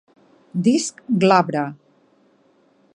Disc glabre.